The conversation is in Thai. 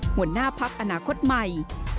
หัวหน้าพักอนาคตใหม่